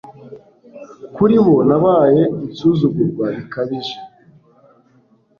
Kuri bo nabaye insuzugurwa bikabije